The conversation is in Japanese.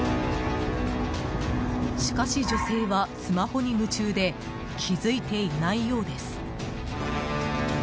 しかし、女性はスマホに夢中で気づいていないようです。